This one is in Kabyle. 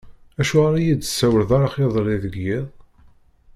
Acuɣer ur yi-d-tessawleḍ ara iḍelli deg yiḍ?